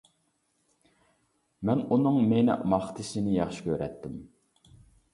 مەن ئۇنىڭ مېنى ماختىشىنى ياخشى كۆرەتتىم.